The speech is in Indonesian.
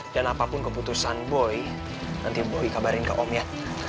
dan apapun keputusan boy nanti boy kabarin ke om ya